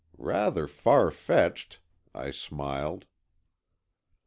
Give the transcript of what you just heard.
"Rather far fetched." I smiled.